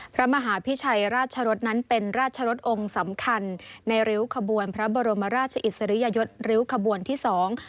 พระมหาพิชัยราชรสนั้นเป็นราชรสองค์สำคัญในริ้วขบวนพระบรมราชอิสริยยศริ้วขบวนที่สอง